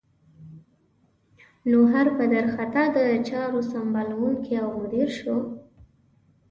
نو هر پدر خطا د چارو سمبالوونکی او مدیر شو.